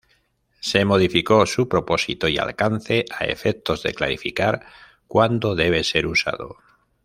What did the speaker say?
Se modificó su propósito y alcance, a efectos de clarificar cuando debe ser usado.